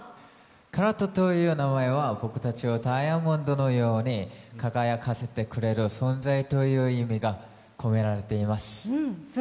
カラットという名前は僕たちをダイヤモンドのように輝かせてくれる存在という意味が込められています。